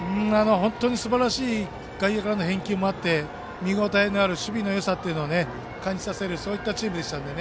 本当にすばらしい外野からの返球もあって見応えのある守備のよさを感じさせるそういったチームでしたので。